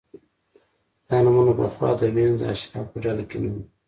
دا نومونه پخوا د وینز د اشرافو په ډله کې نه وو